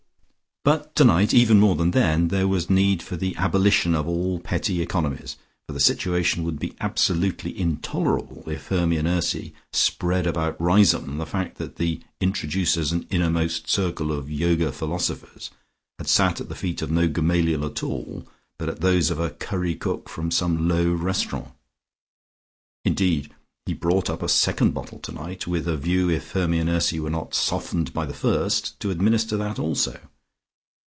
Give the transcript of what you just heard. But tonight, even more than then, there was need for the abolition of all petty economies, for the situation would be absolutely intolerable if Hermy and Ursy spread about Riseholme the fact that the introducers and innermost circle of Yoga philosophers had sat at the feet of no Gamaliel at all, but at those of a curry cook from some low restaurant. Indeed he brought up a second bottle tonight with a view if Hermy and Ursy were not softened by the first to administer that also.